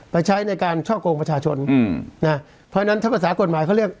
ใช้ในการช่อกงประชาชนอืมนะเพราะฉะนั้นถ้าภาษากฎหมายเขาเรียก